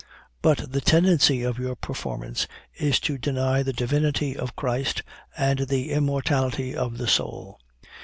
But the tendency of your performance is to deny the divinity of Christ and the immortality of the soul.